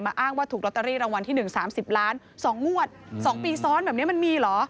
อ้างว่าถูกลอตเตอรี่รางวัลที่๑๓๐ล้าน๒งวด๒ปีซ้อนแบบนี้มันมีเหรอ